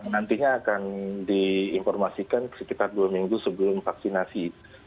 nantinya akan di informasikan sekitar dua minggu sebelum vaksinasi